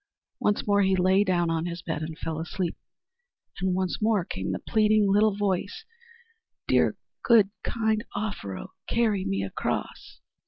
Once more he lay down in his bed and fell asleep. And once more came the pleading little voice, "Dear, good, kind Offero, carry me across!"